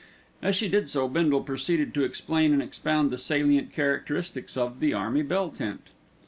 As she did so Bindle proceeded to explain and expound the salient characteristics of the army bell tent.